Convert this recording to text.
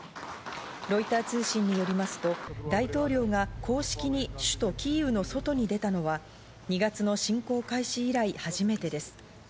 ロイター通信によりますと、大統領が公式に首都キーウの外に出たのは、２月の侵攻開始以来、初めてです。